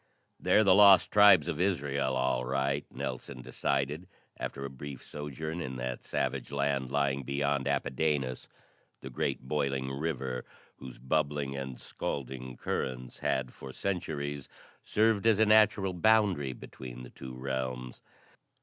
"They're the lost tribes of Israel, all right," Nelson decided after a brief sojourn in that savage land lying beyond Apidanus the great boiling river, whose bubbling and scalding currents had for centuries served as a natural boundary between the two realms.